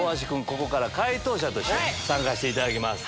ここから解答者として参加していただきます。